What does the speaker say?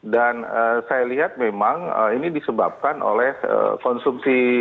dan saya lihat memang ini disebabkan oleh konsumsi